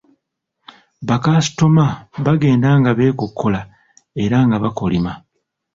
Bakasitoma bagenda nga b'ekokkola era nga bakolima.